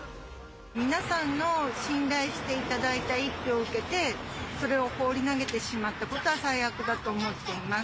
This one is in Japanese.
皆さんの信頼していただいた一票を受けて、それを放り投げてしまったことは最悪だと思っています。